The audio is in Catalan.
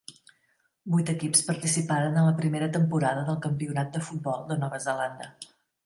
Vuit equips participaren en la primera temporada del Campionat de Futbol de Nova Zelanda.